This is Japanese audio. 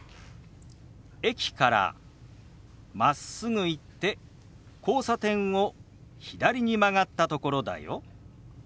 「駅からまっすぐ行って交差点を左に曲がったところだよ」。